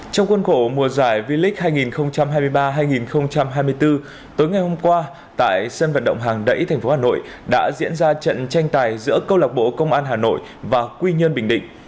trong khuôn khổ mùa giải v leage hai nghìn hai mươi ba hai nghìn hai mươi bốn tối ngày hôm qua tại sân vận động hàng đẩy tp hà nội đã diễn ra trận tranh tài giữa câu lạc bộ công an hà nội và quy nhơn bình định